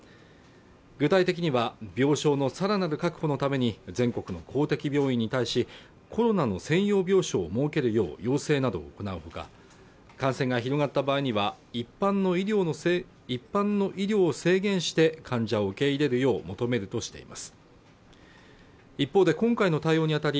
具体的には病床のさらなる確保のために全国の公的病院に対しコロナの専用病床を設けるよう要請などを行うほか感染が広がった場合には一般の医療を制限して患者を受け入れるよう求めるとしています